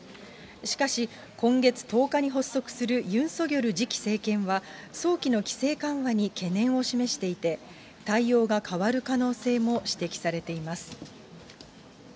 しかし、今月１０日に発足するユン・ソギョル次期政権は、早期の規制緩和に懸念を示していて、対応が変わる可能性も指摘されています。